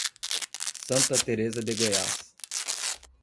Santa Tereza de Goiás